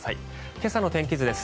今朝の天気図です。